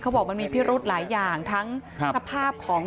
บอกมันมีพิรุธหลายอย่างทั้งสภาพของ